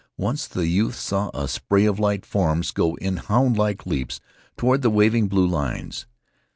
Once the youth saw a spray of light forms go in houndlike leaps toward the waving blue lines.